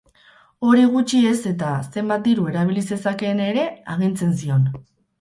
Hori gutxi ez eta, zenbat diru erabili zezakeen ere agintzen zion.